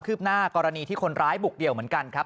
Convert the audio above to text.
ืบหน้ากรณีที่คนร้ายบุกเดี่ยวเหมือนกันครับ